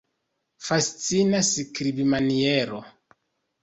Fascina skribmaniero!